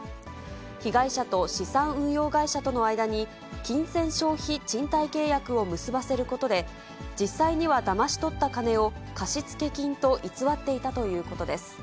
被害者と資産運用会社との間に金銭消費賃貸契約を結ばせることで、実際にはだまし取った金を貸付金と偽っていたということです。